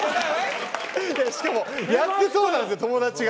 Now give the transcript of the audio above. しかもやってそうなんすよ友達が。